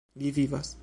Li vivas!